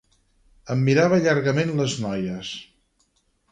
Em mirava llargament les noies.